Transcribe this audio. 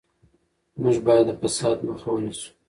موږ باید د فساد مخه ونیسو.